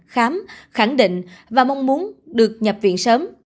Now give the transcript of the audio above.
khám khẳng định và mong muốn được nhập viện sớm